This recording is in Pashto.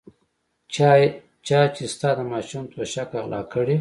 چا چې ستا د ماشوم توشکه غلا کړې.